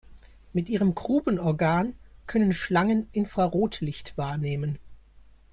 Mit ihrem Grubenorgan können Schlangen Infrarotlicht wahrnehmen.